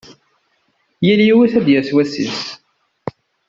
Yal yiwet ad d-yas wass-is.